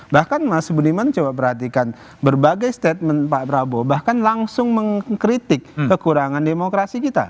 bahkan mas budiman coba perhatikan berbagai statement pak prabowo bahkan langsung mengkritik kekurangan demokrasi kita